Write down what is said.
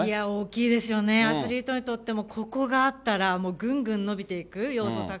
大きいですよね、アスリートにとっても、ここがあったら、ぐんぐん伸びていく要素